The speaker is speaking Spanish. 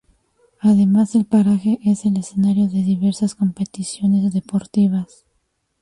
Además, el paraje es el escenario de diversas competiciones deportivas.